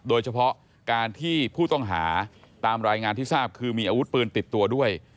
โดยเฉพาะการที่ผู้ต้องหาตามรายงานที่ทราบคือมีอาวุธปืนติดตัวด้วย